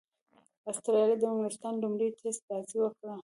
اسټراليا او انګليستان لومړۍ ټېسټ بازي وکړه.